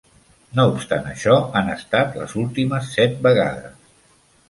No obstant això, han estat les últimes set vegades.